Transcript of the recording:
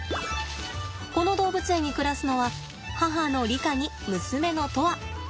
この動物園に暮らすのは母のリカに娘の砥愛。